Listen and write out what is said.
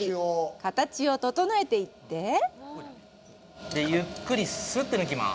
形を整えていってゆっくり、スッて抜きます。